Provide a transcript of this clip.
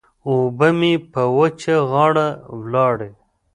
اوبه مې په وچه غاړه ولاړې.